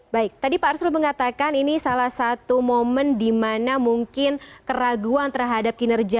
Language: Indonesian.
baik tadi pak arsul mengatakan ini salah satu momen di mana mungkin keraguan terhadap kinerja